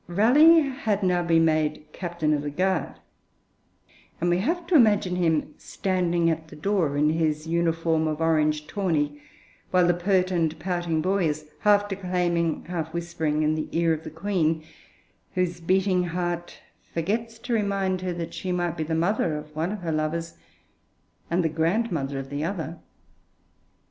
Raleigh had now been made Captain of the Guard, and we have to imagine him standing at the door in his uniform of orange tawny, while the pert and pouting boy is half declaiming, half whispering, in the ear of the Queen, whose beating heart forgets to remind her that she might be the mother of one of her lovers and the grandmother of the other.